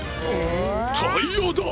タイヤだ。